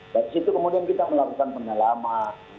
dan disitu kemudian kita melakukan penelaman